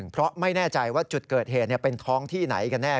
เพราะไม่แน่ใจว่าจุดเกิดเหตุเป็นท้องที่ไหนกันแน่